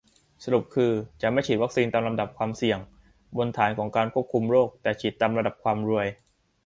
สรุปคือ จะไม่ฉีดวัคซีนตามลำดับความเสี่ยง-บนฐานของการควบคุมโรค แต่ฉีดตามลำดับความรวย